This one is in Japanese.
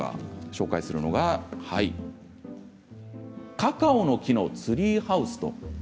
紹介するのがカカオの木のツリーハウス。